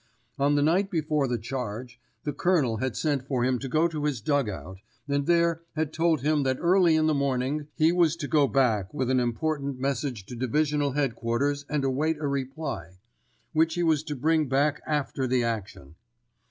On the night before the charge, the Colonel had sent for him to go to his dug out, and there had told him that early in the morning he was to go back with an important message to Divisional headquarters and await a reply, which he was to bring back after the action.